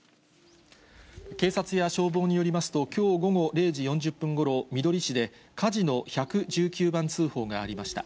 警察や消防によりますと、きょう午後０時４０分ごろ、みどり市で火事の１１９番通報がありました。